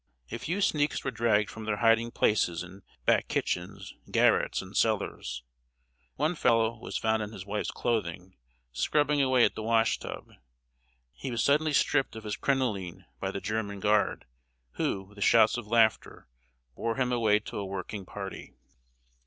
A few sneaks were dragged from their hiding places in back kitchens, garrets, and cellars. One fellow was found in his wife's clothing, scrubbing away at the wash tub. He was suddenly stripped of his crinoline by the German guard, who, with shouts of laughter, bore him away to a working party.